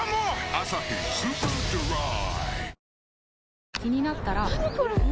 「アサヒスーパードライ」